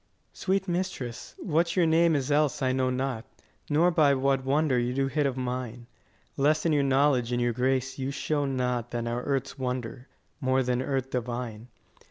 Ant. S. Sweet mistress, what your name is else, I know not, Nor by what wonder you do hit of mine, 30 Less in your knowledge and your grace you show not Than our earth's wonder; more than earth divine.